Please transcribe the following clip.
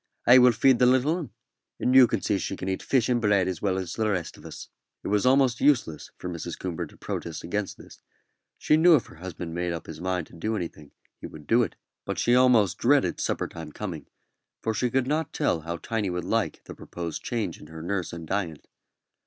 "I will feed the little 'un, and you'll see she can eat fish and bread as well as the rest of us." It was useless for Mrs. Coomber to protest against this; she knew if her husband made up his mind to do anything he would do it; but she almost dreaded supper time coming, for she could not tell how Tiny would like the proposed change in her nurse and diet.